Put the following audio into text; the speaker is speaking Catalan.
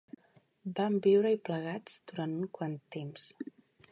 Vam viure-hi plegats durant un quant temps.